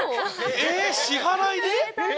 え支払いで？